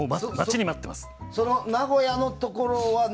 名古屋のところは？